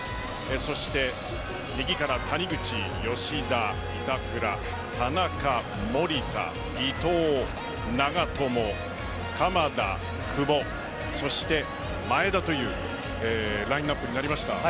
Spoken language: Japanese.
そして、右から谷口、吉田、板倉田中、守田、伊東長友、鎌田、久保そして前田というラインアップになりました。